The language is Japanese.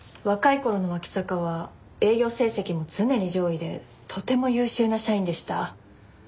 若い頃の脇坂は営業成績も常に上位でとても優秀な社員でした。